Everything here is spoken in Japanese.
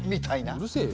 うるせえよ。